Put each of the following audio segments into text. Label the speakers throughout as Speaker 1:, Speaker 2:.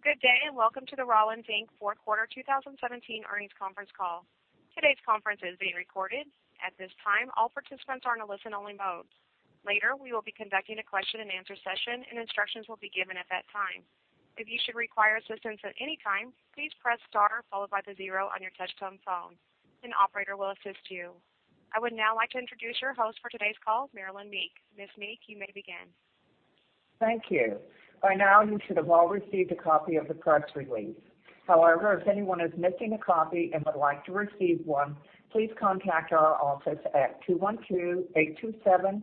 Speaker 1: Good day, and welcome to the Rollins, Inc. Fourth Quarter 2017 Earnings Conference Call. Today's conference is being recorded. At this time, all participants are in a listen-only mode. Later, we will be conducting a question and answer session, and instructions will be given at that time. If you should require assistance at any time, please press star followed by the zero on your touchtone phone. An operator will assist you. I would now like to introduce your host for today's call, Marilynn Meek. Ms. Meek, you may begin.
Speaker 2: Thank you. By now, you should have all received a copy of the press release. However, if anyone is missing a copy and would like to receive one, please contact our office at 212-827-3746,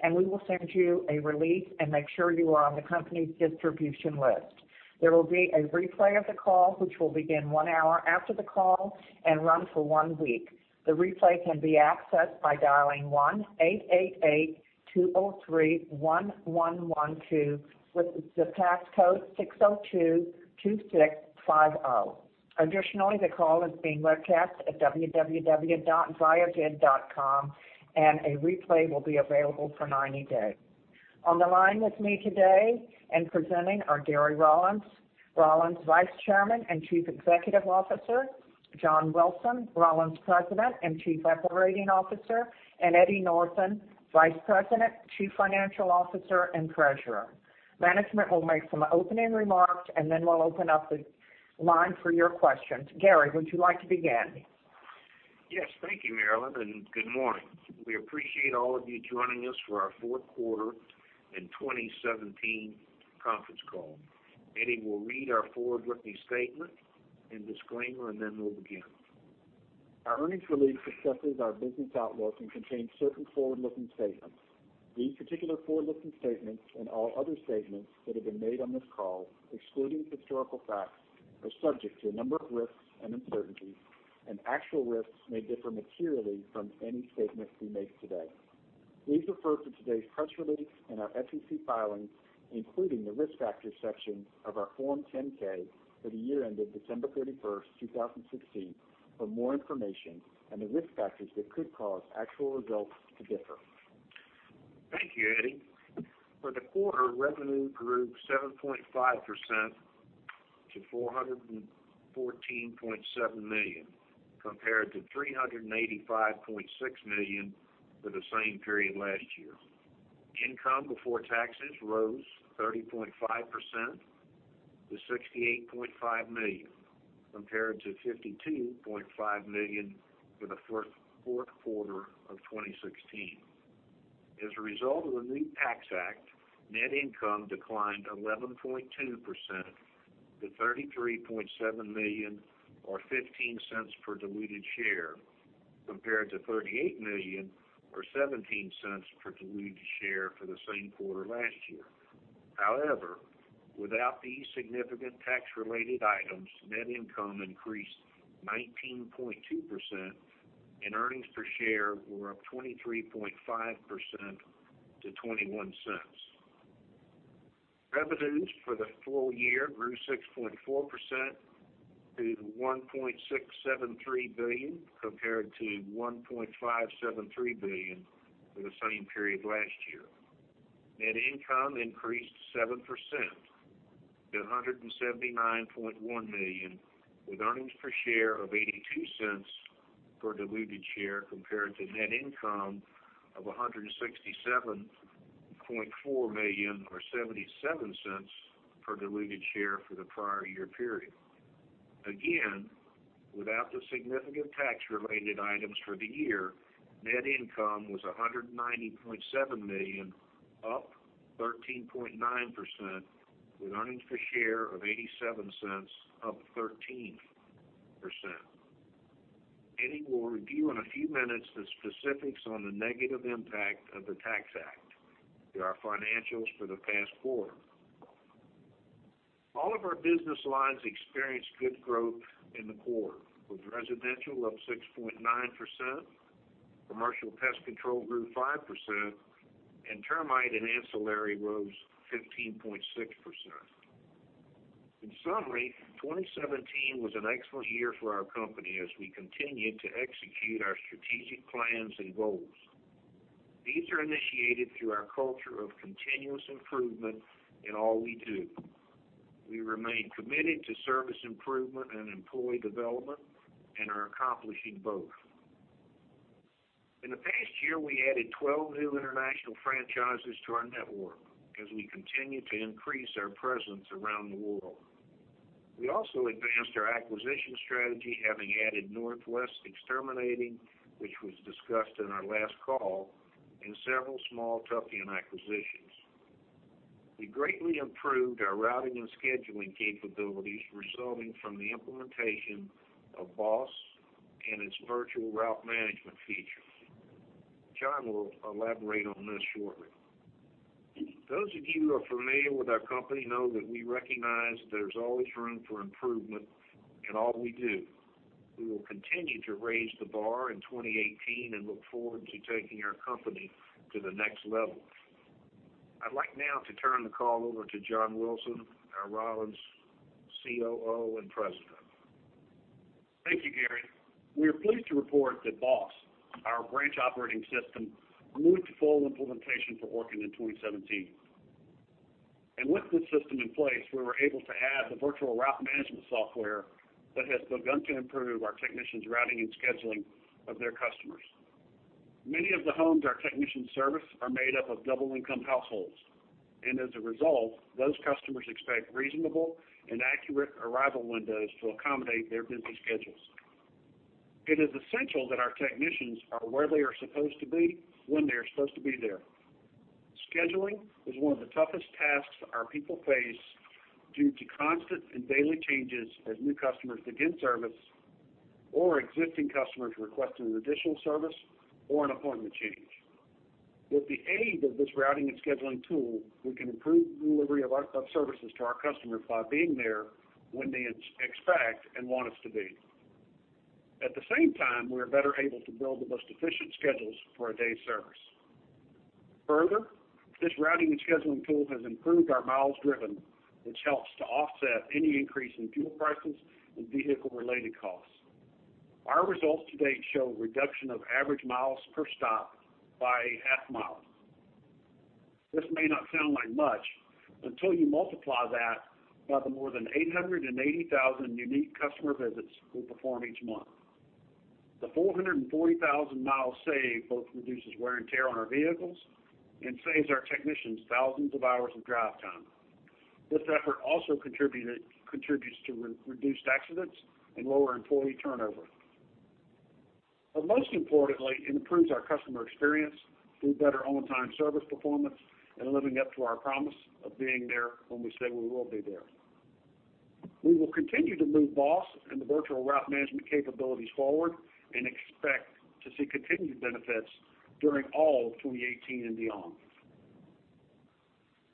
Speaker 2: and we will send you a release and make sure you are on the company's distribution list. There will be a replay of the call, which will begin one hour after the call and run for one week. The replay can be accessed by dialing 1-888-203-1112 with the pass code 6022650. Additionally, the call is being webcast at www.viavid.com, and a replay will be available for 90 days. On the line with me today and presenting are Gary Rollins Vice Chairman and Chief Executive Officer, John Wilson, Rollins President and Chief Operating Officer, and Eddie Northen, Vice President, Chief Financial Officer, and Treasurer. Management will make some opening remarks, and then we'll open up the line for your questions. Gary, would you like to begin?
Speaker 3: Yes, thank you, Marilynn, and good morning. We appreciate all of you joining us for our fourth quarter in 2017 conference call. Eddie will read our forward-looking statement and disclaimer, and then we'll begin.
Speaker 4: Our earnings release discusses our business outlook and contains certain forward-looking statements. These particular forward-looking statements, and all other statements that have been made on this call excluding historical fact, are subject to a number of risks and uncertainties, and actual risks may differ materially from any statements we make today. Please refer to today's press release and our SEC filings, including the Risk Factors section of our Form 10-K for the year ended December 31st, 2016, for more information on the risk factors that could cause actual results to differ.
Speaker 3: Thank you, Eddie. For the quarter, revenue grew 7.5% to $414.7 million compared to $385.6 million for the same period last year. Income before taxes rose 30.5% to $68.5 million compared to $52.5 million for the fourth quarter of 2016. As a result of the new tax act, net income declined 11.2% to $33.7 million or $0.15 per diluted share compared to $38 million or $0.17 per diluted share for the same quarter last year. Without these significant tax-related items, net income increased 19.2%, and earnings per share were up 23.5% to $0.21. Revenues for the full year grew 6.4% to $1.673 billion compared to $1.573 billion for the same period last year. Net income increased 7% to $179.1 million with earnings per share of $0.82 per diluted share compared to net income of $167.4 million or $0.77 per diluted share for the prior year period. Without the significant tax-related items for the year, net income was $190.7 million, up 13.9%, with earnings per share of $0.87, up 13%. Eddie will review in a few minutes the specifics on the negative impact of the Tax Act to our financials for the past quarter. All of our business lines experienced good growth in the quarter, with residential up 6.9%, commercial pest control grew 5%, and termite and ancillary rose 15.6%. In summary, 2017 was an excellent year for our company as we continued to execute our strategic plans and goals. These are initiated through our culture of continuous improvement in all we do. We remain committed to service improvement and employee development and are accomplishing both. In the past year, we added 12 new international franchises to our network as we continue to increase our presence around the world. We also advanced our acquisition strategy, having added Northwest Exterminating, which was discussed in our last call, and several small tuck-in acquisitions. We greatly improved our routing and scheduling capabilities resulting from the implementation of BOSS and its virtual route management feature. John will elaborate on this shortly. Those of you who are familiar with our company know that we recognize there's always room for improvement in all we do. We will continue to raise the bar in 2018 and look forward to taking our company to the next level. I'd like now to turn the call over to John Wilson, our Rollins COO and President.
Speaker 5: Thank you, Gary. We are pleased to report that BOSS, our branch operating system, moved to full implementation for Orkin in 2017. With this system in place, we were able to add the virtual route management software that has begun to improve our technicians' routing and scheduling of their customers. Many of the homes our technicians service are made up of double income households, and as a result, those customers expect reasonable and accurate arrival windows to accommodate their busy schedules. It is essential that our technicians are where they are supposed to be, when they are supposed to be there. Scheduling is one of the toughest tasks our people face due to constant and daily changes as new customers begin service or existing customers request an additional service or an appointment change. With the aid of this routing and scheduling tool, we can improve delivery of services to our customers by being there when they expect and want us to be. At the same time, we are better able to build the most efficient schedules for a day's service. Further, this routing and scheduling tool has improved our miles driven, which helps to offset any increase in fuel prices and vehicle-related costs. Our results to date show a reduction of average miles per stop by a half mile. This may not sound like much until you multiply that by the more than 880,000 unique customer visits we perform each month. The 440,000 miles saved both reduces wear and tear on our vehicles and saves our technicians thousands of hours of drive time. This effort also contributes to reduced accidents and lower employee turnover. Most importantly, it improves our customer experience through better on-time service performance and living up to our promise of being there when we say we will be there. We will continue to move BOSS and the virtual route management capabilities forward and expect to see continued benefits during all of 2018 and beyond.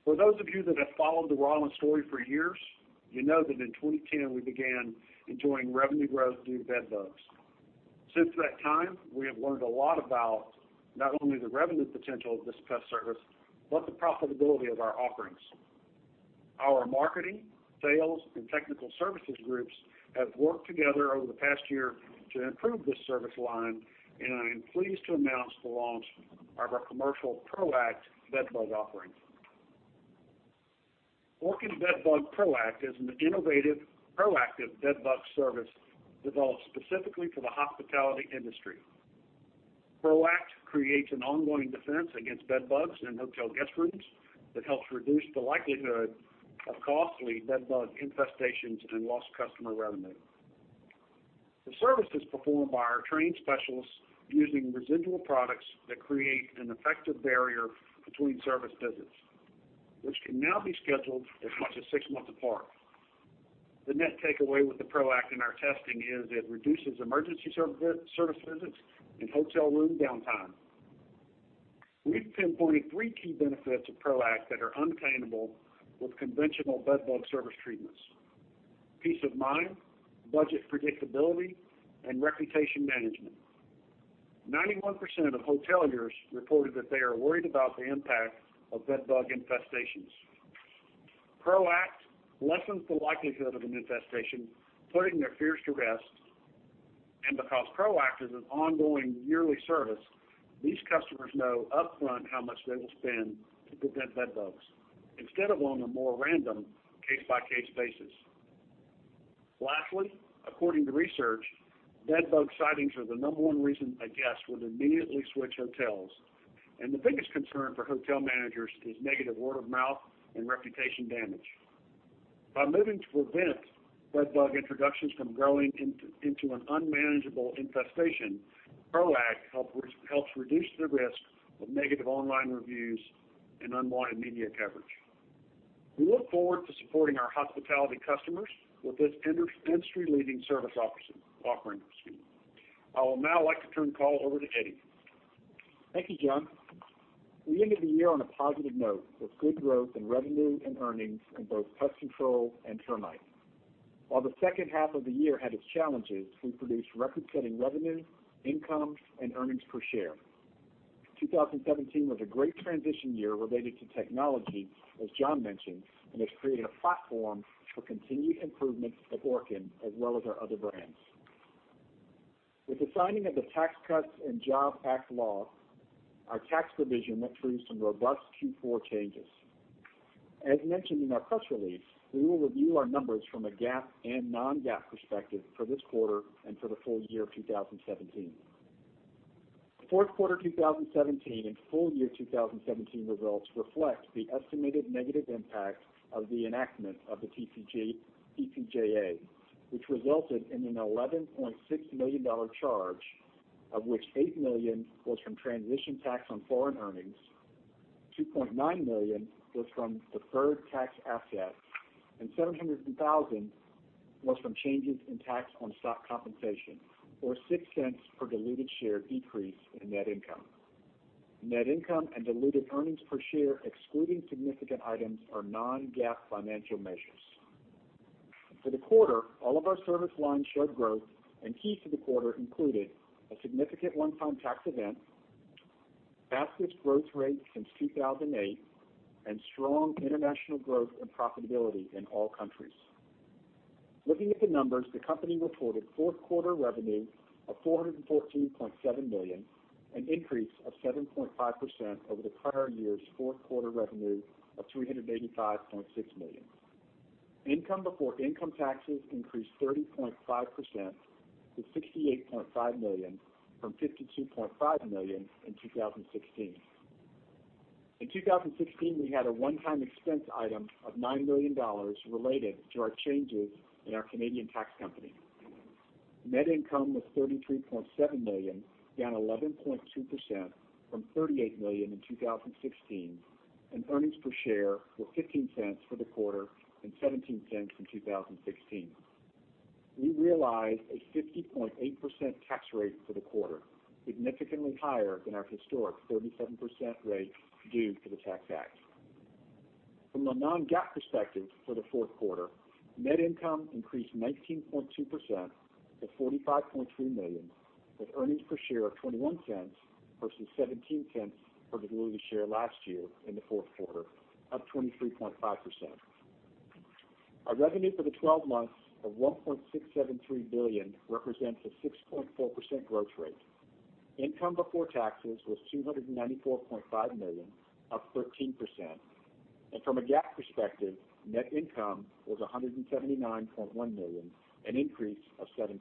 Speaker 5: For those of you that have followed the Rollins story for years, you know that in 2010, we began enjoying revenue growth due to bed bugs. Since that time, we have learned a lot about not only the revenue potential of this pest service, but the profitability of our offerings. Our marketing, sales, and technical services groups have worked together over the past year to improve this service line, and I am pleased to announce the launch of our commercial ProAct bed bug offering. Orkin Bed Bug ProAct is an innovative, proactive bed bug service developed specifically for the hospitality industry. ProAct creates an ongoing defense against bed bugs in hotel guest rooms that helps reduce the likelihood of costly bed bug infestations and lost customer revenue. The service is performed by our trained specialists using residual products that create an effective barrier between service visits, which can now be scheduled as much as six months apart. The net takeaway with the ProAct in our testing is it reduces emergency service visits and hotel room downtime. We've pinpointed three key benefits of ProAct that are unattainable with conventional bed bug service treatments: peace of mind, budget predictability, and reputation management. 91% of hoteliers reported that they are worried about the impact of bed bug infestations. ProAct lessens the likelihood of an infestation, putting their fears to rest. Because ProAct is an ongoing yearly service, these customers know upfront how much they will spend to prevent bed bugs, instead of on a more random case-by-case basis. Lastly, according to research, bed bug sightings are the number 1 reason a guest would immediately switch hotels, and the biggest concern for hotel managers is negative word-of-mouth and reputation damage. By moving to prevent bed bug introductions from growing into an unmanageable infestation, ProAct helps reduce the risk of negative online reviews and unwanted media coverage. We look forward to supporting our hospitality customers with this industry-leading service offering. I would now like to turn the call over to Eddie.
Speaker 4: Thank you, John. We ended the year on a positive note with good growth in revenue and earnings in both pest control and termite. While the second half of the year had its challenges, we produced record-setting revenue, income, and earnings per share. 2017 was a great transition year related to technology, as John mentioned, and has created a platform for continued improvements at Orkin as well as our other brands. With the signing of the Tax Cuts and Jobs Act law, our tax division went through some robust Q4 changes. As mentioned in our press release, we will review our numbers from a GAAP and non-GAAP perspective for this quarter and for the full year of 2017. Fourth quarter 2017 and full year 2017 results reflect the estimated negative impact of the enactment of the TCJA, which resulted in an $11.6 million charge, of which $8 million was from transition tax on foreign earnings, $2.9 million was from deferred tax assets, and $700,000 was from changes in tax on stock compensation, or $0.06 per diluted share decrease in net income. Net income and diluted earnings per share excluding significant items are non-GAAP financial measures. For the quarter, all of our service lines showed growth, and keys to the quarter included a significant one-time tax event, fastest growth rate since 2008, and strong international growth and profitability in all countries. Looking at the numbers, the company reported fourth quarter revenue of $414.7 million, an increase of 7.5% over the prior year's fourth quarter revenue of $385.6 million. Income before income taxes increased 30.5% to $68.5 million from $52.5 million in 2016. In 2016, we had a one-time expense item of $9 million related to our changes in our Canadian tax company. Net income was $33.7 million, down 11.2% from $38 million in 2016, and earnings per share were $0.15 for the quarter and $0.17 in 2016. We realized a 50.8% tax rate for the quarter, significantly higher than our historic 37% rate due to the Tax Act. From a non-GAAP perspective for the fourth quarter, net income increased 19.2% to $45.3 million, with earnings per share of $0.21 versus $0.17 per diluted share last year in the fourth quarter, up 23.5%. Our revenue for the 12 months of $1.673 billion represents a 6.4% growth rate. Income before taxes was $294.5 million, up 13%, from a GAAP perspective, net income was $179.1 million, an increase of 7%.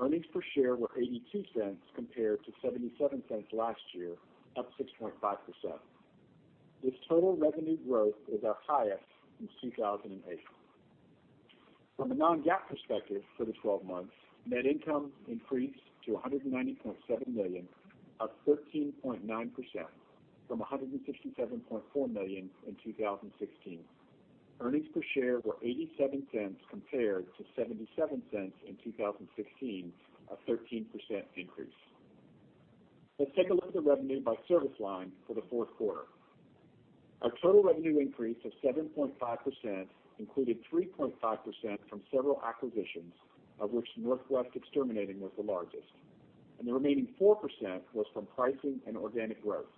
Speaker 4: Earnings per share were $0.82 compared to $0.77 last year, up 6.5%. This total revenue growth is our highest since 2008. From a non-GAAP perspective for the 12 months, net income increased to $190.7 million, up 13.9% from $167.4 million in 2016. Earnings per share were $0.87 compared to $0.77 in 2016, a 13% increase. Let's take a look at the revenue by service line for the fourth quarter. Our total revenue increase of 7.5% included 3.5% from several acquisitions, of which Northwest Exterminating was the largest, and the remaining 4% was from pricing and organic growth.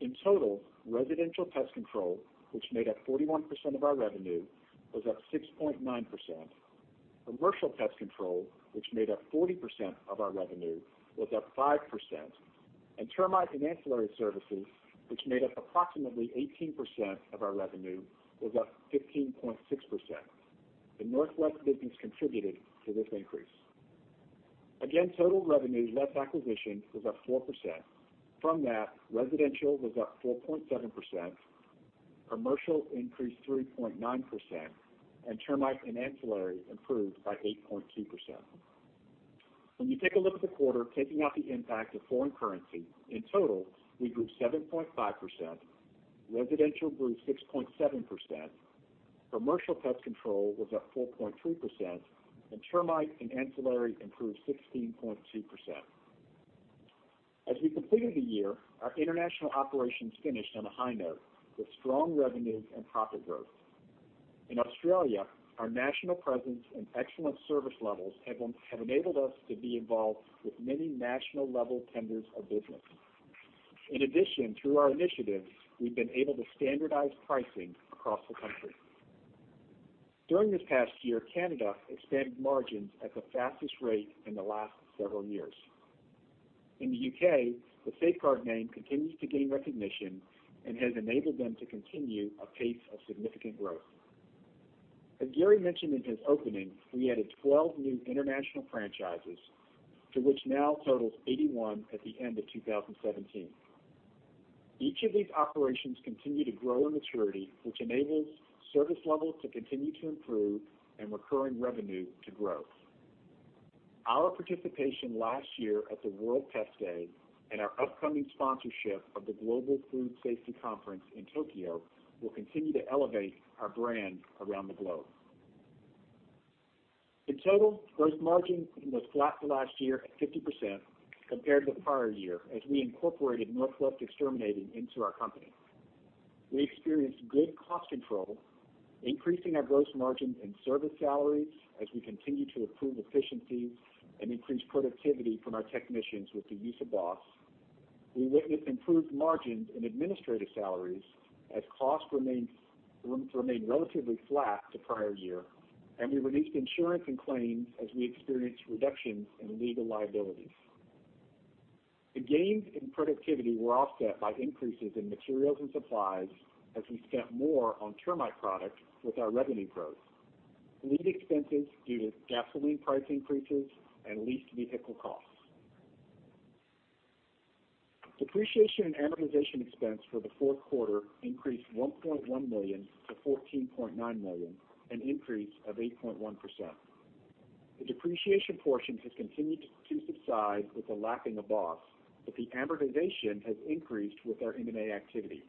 Speaker 4: In total, residential pest control, which made up 41% of our revenue, was up 6.9%. Commercial pest control, which made up 40% of our revenue, was up 5%, termite and ancillary services, which made up approximately 18% of our revenue, was up 15.6%. The Northwest business contributed to this increase. Again, total revenue less acquisition was up 4%. From that, residential was up 4.7%, commercial increased 3.9%, termite and ancillary improved by 8.2%. When you take a look at the quarter, taking out the impact of foreign currency, in total, we grew 7.5%, residential grew 6.7%, commercial pest control was up 4.3%, termite and ancillary improved 16.2%. As we completed the year, our international operations finished on a high note with strong revenue and profit growth. In Australia, our national presence and excellent service levels have enabled us to be involved with many national-level tenders of business. In addition, through our initiatives, we've been able to standardize pricing across the country. During this past year, Canada expanded margins at the fastest rate in the last several years. In the U.K., the Safeguard name continues to gain recognition and has enabled them to continue a pace of significant growth. As Gary mentioned in his opening, we added 12 new international franchises to which now totals 81 at the end of 2017. Each of these operations continue to grow in maturity, which enables service levels to continue to improve and recurring revenue to grow. Our participation last year at the World Pest Day and our upcoming sponsorship of the Global Food Safety Conference in Tokyo will continue to elevate our brand around the globe. In total, gross margin was flat to last year at 50% compared to the prior year as we incorporated Northwest Exterminating into our company. We experienced good cost control, increasing our gross margins in service salaries as we continue to improve efficiencies and increase productivity from our technicians with the use of BOSS. We witnessed improved margins in administrative salaries as costs remained relatively flat to prior year, we released insurance and claims as we experienced reductions in legal liabilities. The gains in productivity were offset by increases in materials and supplies as we spent more on termite products with our revenue growth, Fuel expenses due to gasoline price increases and leased vehicle costs. Depreciation and amortization expense for the fourth quarter increased $1.1 million to $14.9 million, an increase of 8.1%. The depreciation portion has continued to subside with the lacking of BOSS, but the amortization has increased with our M&A activity.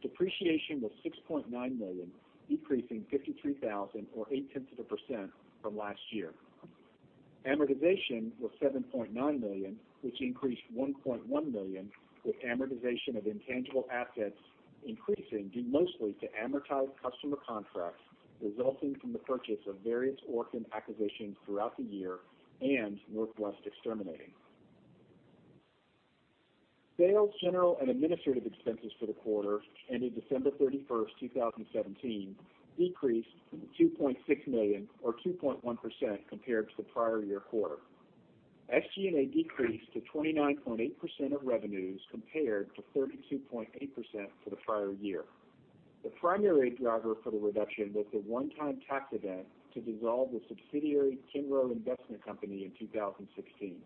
Speaker 4: Depreciation was $6.9 million, decreasing $53,000 or 0.8% from last year. Amortization was $7.9 million, which increased $1.1 million with amortization of intangible assets increasing due mostly to amortized customer contracts resulting from the purchase of various orphan acquisitions throughout the year and Northwest Exterminating. Sales, general and administrative expenses for the quarter ending December 31st, 2017, decreased to $2.6 million or 2.1% compared to the prior year quarter. SG&A decreased to 29.8% of revenues compared to 32.8% for the prior year. The primary driver for the reduction was the one-time tax event to dissolve the subsidiary, Kinrow Investment Company, in 2016.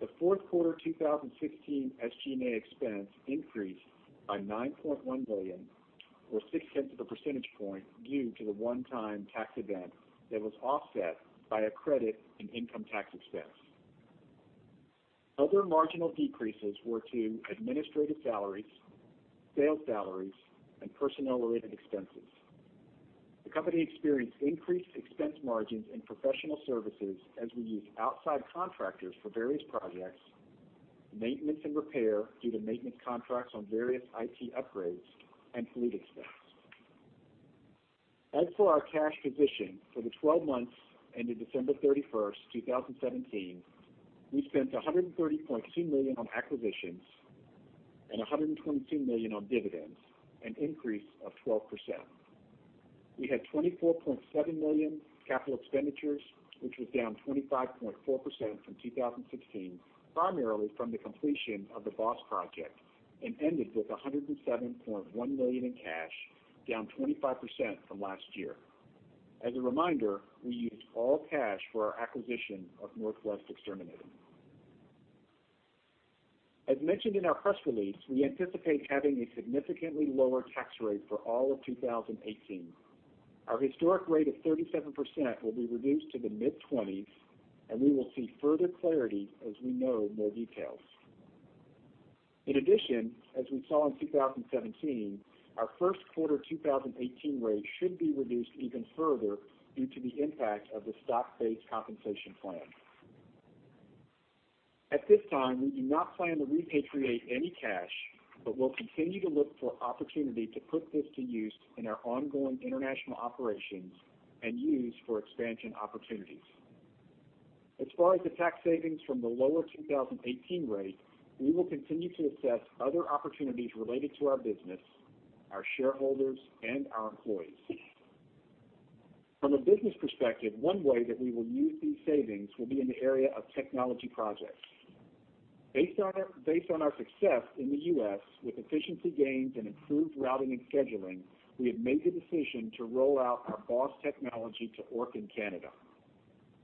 Speaker 4: The fourth quarter 2016 SG&A expense increased by $9.1 million or 0.6 percentage point due to the one-time tax event that was offset by a credit in income tax expense. Other marginal decreases were to administrative salaries, sales salaries, and personnel-related expenses. The company experienced increased expense margins in professional services as we used outside contractors for various projects, maintenance, and repair due to maintenance contracts on various IT upgrades and fleet expense. As for our cash position for the 12 months ended December 31st, 2017, we spent $130.2 million on acquisitions and $122 million on dividends, an increase of 12%. We had $24.7 million capital expenditures, which was down 25.4% from 2016, primarily from the completion of the BOSS project, and ended with $107.1 million in cash, down 25% from last year. As a reminder, we used all cash for our acquisition of Northwest Exterminating. As mentioned in our press release, we anticipate having a significantly lower tax rate for all of 2018. Our historic rate of 37% will be reduced to the mid-20s, and we will see further clarity as we know more details. In addition, as we saw in 2017, our first quarter 2018 rate should be reduced even further due to the impact of the stock-based compensation plan. At this time, we do not plan to repatriate any cash, but we will continue to look for opportunity to put this to use in our ongoing international operations and use for expansion opportunities. As far as the tax savings from the lower 2018 rate, we will continue to assess other opportunities related to our business, our shareholders, and our employees. From a business perspective, one way that we will use these savings will be in the area of technology projects. Based on our success in the U.S. with efficiency gains and improved routing and scheduling, we have made the decision to roll out our BOSS technology to Orkin Canada.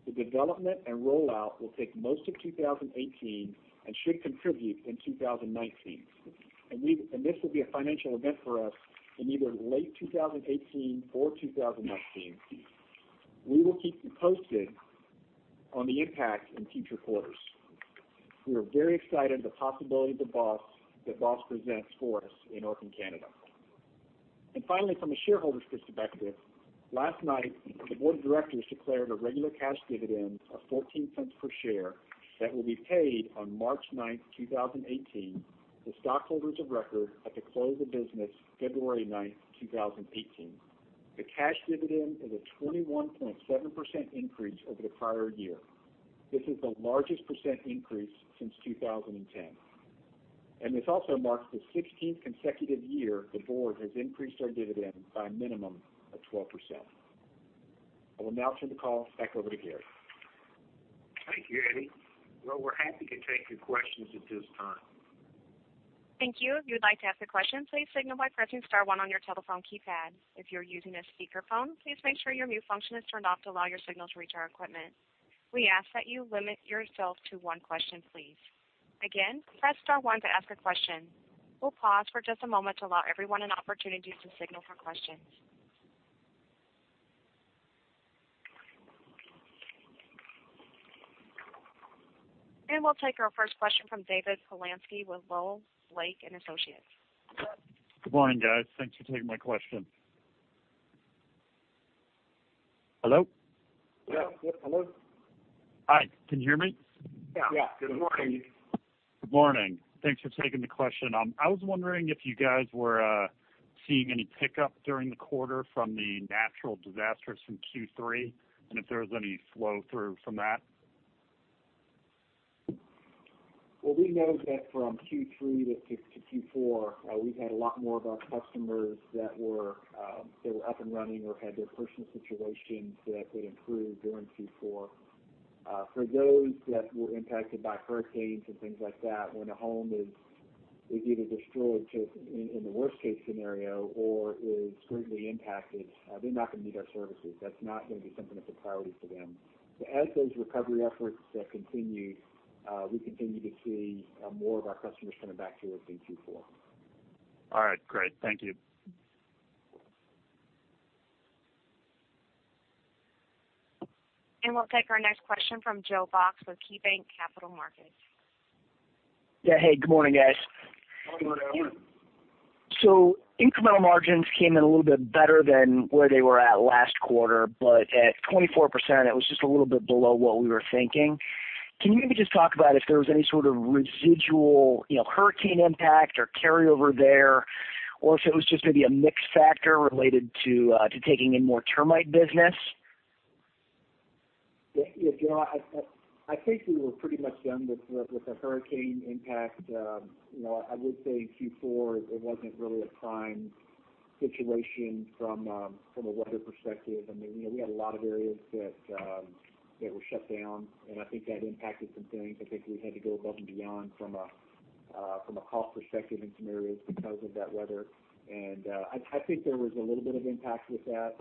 Speaker 4: The development and rollout will take most of 2018 and should contribute in 2019. This will be a financial event for us in either late 2018 or 2019. We will keep you posted on the impact in future quarters. We are very excited the possibility that BOSS presents for us in Orkin Canada. Finally, from a shareholder's perspective, last night, the board of directors declared a regular cash dividend of $0.14 per share that will be paid on March 9th, 2018, to stockholders of record at the close of business February 9th, 2018. The cash dividend is a 21.7% increase over the prior year. This is the largest percent increase since 2010, and this also marks the 16th consecutive year the board has increased our dividend by a minimum of 12%. I will now turn the call back over to Gary.
Speaker 3: Thank you, Eddie. Well, we're happy to take your questions at this time.
Speaker 1: Thank you. If you would like to ask a question, please signal by pressing star one on your telephone keypad. If you're using a speakerphone, please make sure your mute function is turned off to allow your signal to reach our equipment. We ask that you limit yourself to one question, please. Again, press star one to ask a question. We'll pause for just a moment to allow everyone an opportunity to signal for questions. We'll take our first question from David Poplar with Lowell, Blake & Associates.
Speaker 6: Good morning, guys. Thanks for taking my question. Hello?
Speaker 4: Yeah. Hello?
Speaker 6: Hi, can you hear me?
Speaker 4: Yeah. Good morning.
Speaker 6: Good morning. Thanks for taking the question. I was wondering if you guys were seeing any pickup during the quarter from the natural disasters from Q3, and if there was any flow-through from that.
Speaker 4: Well, we know that from Q3 to Q4, we've had a lot more of our customers that were still up and running or had their personal situations that would improve during Q4. For those that were impacted by hurricanes and things like that, when a home is either destroyed in the worst case scenario or is greatly impacted, they're not going to need our services. That's not going to be something that's a priority for them. As those recovery efforts continue, we continue to see more of our customers coming back to us in Q4.
Speaker 6: All right, great. Thank you.
Speaker 1: We'll take our next question from Joe Box with KeyBanc Capital Markets.
Speaker 7: Yeah. Hey, good morning, guys.
Speaker 4: Good morning.
Speaker 7: Incremental margins came in a little bit better than where they were at last quarter, but at 24%, it was just a little bit below what we were thinking. Can you maybe just talk about if there was any sort of residual hurricane impact or carryover there, or if it was just maybe a mix factor related to taking in more termite business?
Speaker 4: Yeah, Joe, I think we were pretty much done with the hurricane impact. I would say Q4, it wasn't really a prime situation from a weather perspective. We had a lot of areas that were shut down, and I think that impacted some things. I think we had to go above and beyond from a cost perspective in some areas because of that weather. I think there was a little bit of impact with that.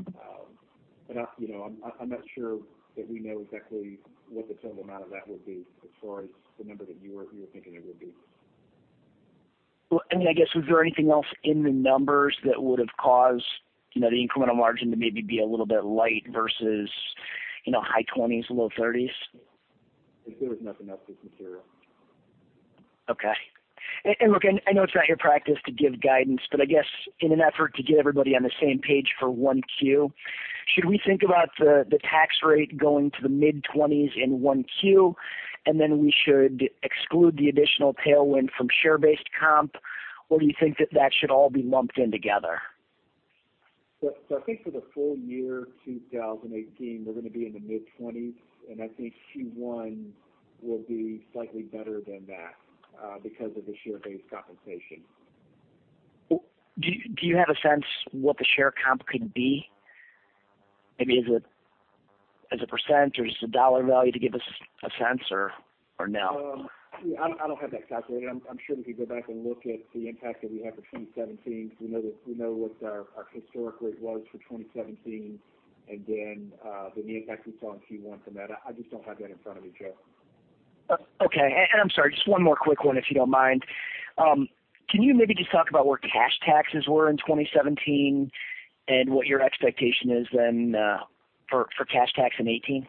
Speaker 4: I'm not sure that we know exactly what the total amount of that would be as far as the number that you were thinking it would be.
Speaker 7: Well, I guess, was there anything else in the numbers that would have caused the incremental margin to maybe be a little bit light versus high 20s, low 30s?
Speaker 4: There was nothing else that's material.
Speaker 7: Okay. Look, I know it's not your practice to give guidance, I guess in an effort to get everybody on the same page for 1Q, should we think about the tax rate going to the mid-20s in 1Q, and then we should exclude the additional tailwind from share-based comp? Do you think that that should all be lumped in together?
Speaker 4: I think for the full year 2018, we're going to be in the mid-20s, and I think Q1 will be slightly better than that because of the share-based compensation.
Speaker 7: Do you have a sense what the share comp could be? Maybe as a % or just a dollar value to give us a sense, or no?
Speaker 4: I don't have that calculated. I'm sure we could go back and look at the impact that we had for 2017 because we know what our historic rate was for 2017 and then the impact we saw in Q1 from that. I just don't have that in front of me, Joe.
Speaker 7: Okay. I'm sorry, just one more quick one, if you don't mind. Can you maybe just talk about where cash taxes were in 2017 and what your expectation is for cash tax in 2018?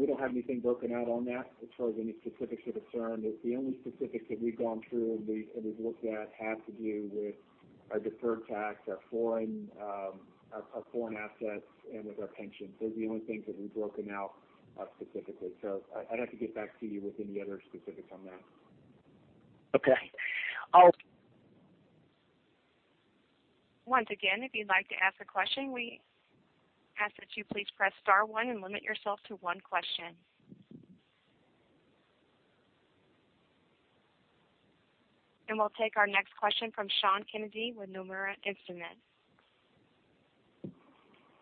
Speaker 4: We don't have anything broken out on that as far as any specifics are concerned. The only specifics that we've gone through and we've looked at have to do with our deferred tax, our foreign assets, and with our pensions. Those are the only things that we've broken out specifically. I'd have to get back to you with any other specifics on that.
Speaker 7: Okay.
Speaker 1: Once again, if you'd like to ask a question, we ask that you please press star one and limit yourself to one question. We'll take our next question from Sean Kennedy with Nomura Instinet.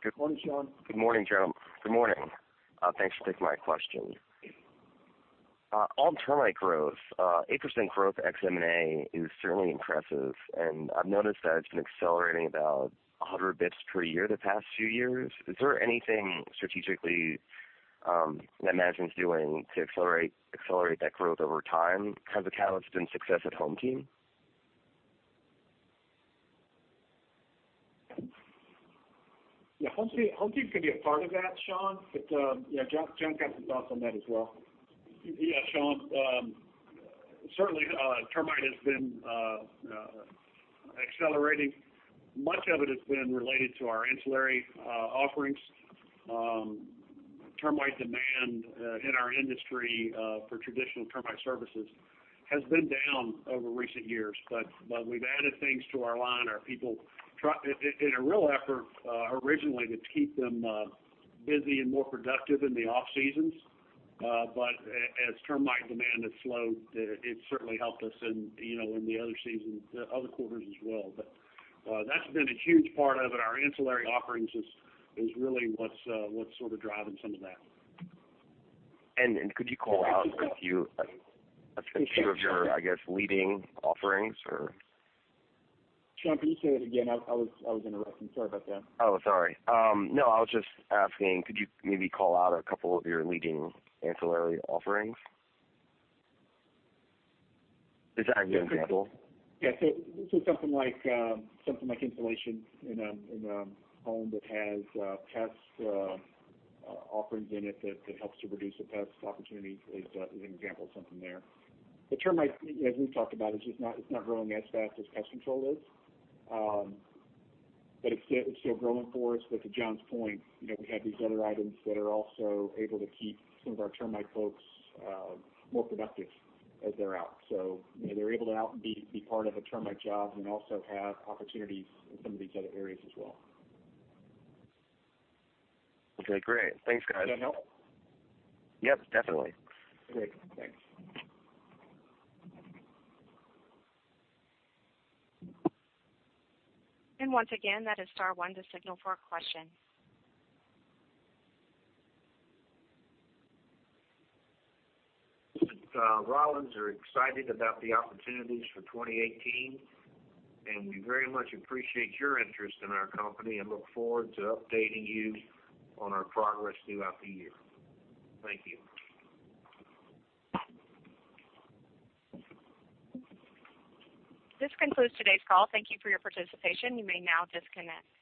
Speaker 4: Good morning, Sean Kennedy.
Speaker 8: Good morning, Joe Box. Good morning. Thanks for taking my question. On termite growth, 8% growth ex M&A is certainly impressive, and I've noticed that it's been accelerating about 100 basis points per year the past few years. Is there anything strategically that Management's doing to accelerate that growth over time? Kind of catalyst and success at HomeTeam Pest Defense?
Speaker 4: Yeah. HomeTeam Pest Defense can be a part of that, Sean Kennedy, but John F. Wilson's got some thoughts on that as well.
Speaker 5: Yeah, Sean Kennedy. Certainly, termite has been accelerating. Much of it has been related to our ancillary offerings. Termite demand in our industry for traditional termite services has been down over recent years, but we've added things to our line. In a real effort, originally, to keep them busy and more productive in the off-seasons. As termite demand has slowed, it certainly helped us in the other quarters as well. That's been a huge part of it. Our ancillary offerings is really what's sort of driving some of that.
Speaker 8: Could you call out a few of your, I guess, leading offerings, or?
Speaker 4: Sean, can you say that again? I was interrupted. I'm sorry about that.
Speaker 8: Sorry. No, I was just asking, could you maybe call out a couple of your leading ancillary offerings? Is that a good example?
Speaker 5: Something like insulation in a home that has pest offerings in it that helps to reduce the pest opportunity is an example of something there. The termite, as we've talked about, it's not growing as fast as pest control is. It's still growing for us. To John's point, we have these other items that are also able to keep some of our termite folks more productive as they're out. They're able to out and be part of a termite job and also have opportunities in some of these other areas as well.
Speaker 8: Okay, great. Thanks, guys.
Speaker 4: Does that help?
Speaker 8: Yep, definitely.
Speaker 4: Great. Thanks.
Speaker 1: Once again, that is star one to signal for a question.
Speaker 4: Rollins are excited about the opportunities for 2018, and we very much appreciate your interest in our company and look forward to updating you on our progress throughout the year. Thank you.
Speaker 1: This concludes today's call. Thank you for your participation. You may now disconnect.